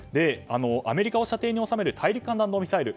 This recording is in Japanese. アメリカを射程に収める大陸間弾道ミサイル。